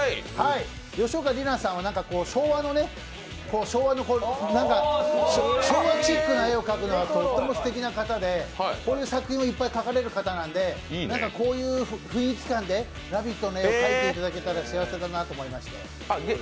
吉岡里奈さんは昭和チックな絵を描くのがとってもすてきな方でこういう作品をいっぱい描かれる方なんでこういう雰囲気感で「ラヴィット！」の絵を描いていただけたら幸せだと思いまして。